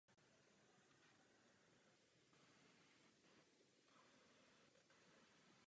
Interiér je členěn pilíři s pilastry.